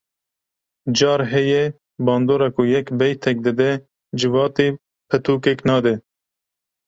Car heye bandora ku yek beytek dide civatê pitûkek nade